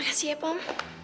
makasih ya pom